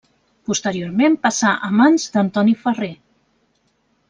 Posteriorment passà a mans d'Antoni Ferrer.